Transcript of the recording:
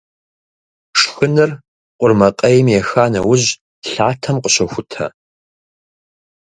Шхыныр къурмакъейм еха нэужь, лъатэм къыщохутэ.